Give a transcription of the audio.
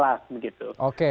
jadi harus cuci tangan di kelas